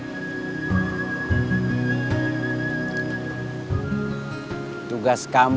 saya sekarang harus bagaimana